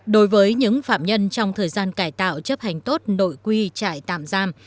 đối với những phạm nhân trong thời gian cải tạo chấp hành tốt nội quy trại tạm giam